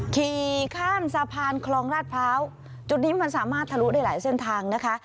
ขี่ข้ามสะพานคลองราชพร้าวจุดนี้มันสามารถทะลุได้หลายเส้นทางนะคะ